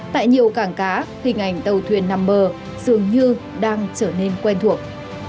tại nhiều cảng cá hình ảnh tàu thuyền nằm bờ dường như đang trở nên quen thuộc